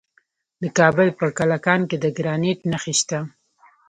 د کابل په کلکان کې د ګرانیټ نښې شته.